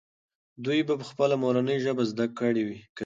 دوی په خپله مورنۍ ژبه زده کړه کوي.